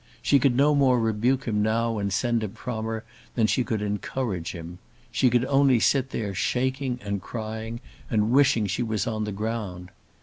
She could no more rebuke him now and send him from her than she could encourage him. She could only sit there shaking and crying and wishing she was on the ground.